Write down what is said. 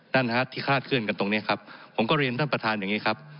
นั่นฮะที่คาดเคลื่อนกันตรงนี้ครับผมก็เรียนท่านประธานอย่างนี้ครับ